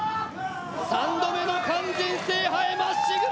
３度目の完全制覇へまっしぐら！